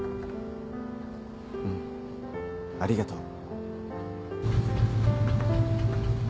うんありがとう。